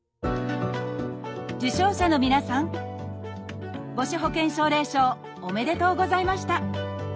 受賞者の皆さん母子保健奨励賞おめでとうございました。